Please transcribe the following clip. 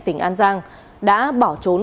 tỉnh an giang đã bỏ trốn